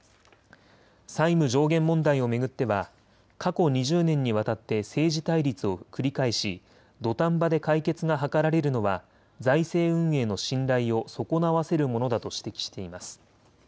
債務上限問題を巡っては過去２０年にわたって政治対立を繰り返し土壇場で解決が図られるのは財政運営の信頼を損なわせるものだと指摘しています。